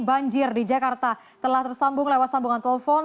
banjir di jakarta telah tersambung lewat sambungan telepon